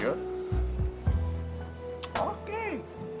gue akan jaga dia